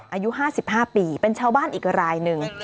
อายุ๕๕ปีเป็นชาวบ้านอีกรายหนึ่ง